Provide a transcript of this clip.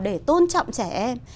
để tôn trọng trẻ em